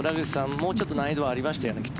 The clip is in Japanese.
もうちょっと難易度はありましたよね。